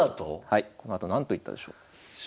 このあと何と言ったでしょう？